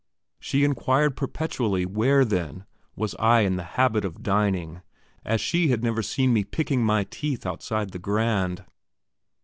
She inquired perpetually where, then, was I in the habit of dining, as she had never seen me picking my teeth outside the Grand?